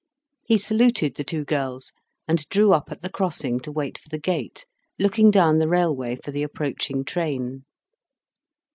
He saluted the two girls, and drew up at the crossing to wait for the gate, looking down the railway for the approaching train.